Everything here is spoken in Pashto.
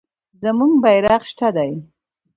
زموږ بیرغ شنه دی.